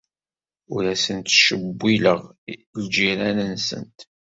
Ur asent-ttcewwileɣ ljiran-nsent.